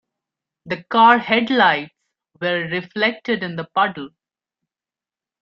The car headlights were reflected in the puddle.